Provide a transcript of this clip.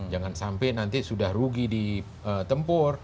jangan sampai nanti sudah rugi di tempur